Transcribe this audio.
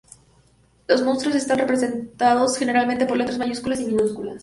Los monstruos están representados generalmente por letras mayúsculas y minúsculas.